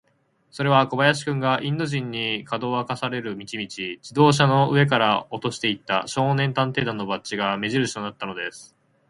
それは小林君が、インド人に、かどわかされる道々、自動車の上から落としていった、少年探偵団のバッジが目じるしとなったのです。